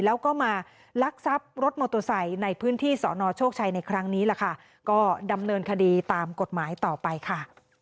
แล้วก็มาลักทรัพย์รถมอเตอร์ไซค์ในพื้นที่สอนอโชคชัยในครั้งนี้ล่ะค่ะก็ดำเนินคดีตามกฎหมายต่อไปค่ะ